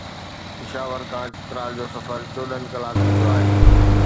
پشاور کان چترال جو سفر چوڏهن ڪلاڪن جو آهي.